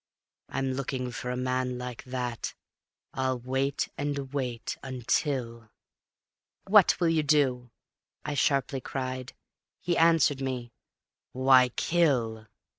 I'm looking for a man like that. I'll wait and wait until ..." "What will you do?" I sharply cried; he answered me: "Why, kill!